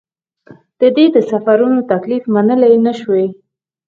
ده د سفرونو تکلیف منلای نه شوای.